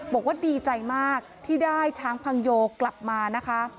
บอกว่าดีใจมากที่ได้ช้างพังโยกลับมานะคะ